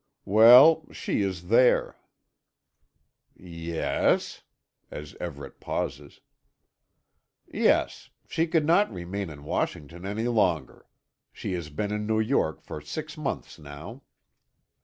"Well, she is there." "Yes?" as Everet pauses. "Yes. She could not remain in Washington any longer. She has been in New York for six months now."